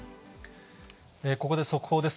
ここで速報です。